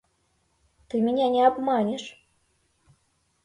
Ты меня не обманешь!